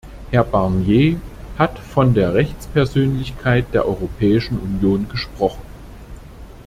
Herr Barnier hat von der Rechtspersönlichkeit der Europäischen Union gesprochen.